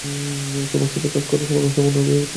তোমার সাথে কাজ করা পরম সম্মানের ব্যাপার ছিল, ক্যাপ্টেন।